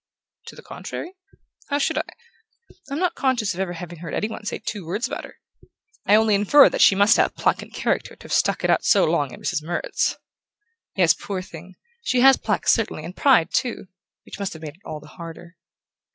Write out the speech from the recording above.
"To the contrary? How should I? I'm not conscious of ever having heard any one say two words about her. I only infer that she must have pluck and character to have stuck it out so long at Mrs. Murrett's." "Yes, poor thing! She has pluck, certainly; and pride, too; which must have made it all the harder."